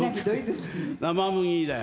生麦だよ。